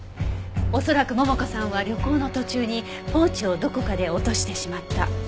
恐らく桃香さんは旅行の途中にポーチをどこかで落としてしまった。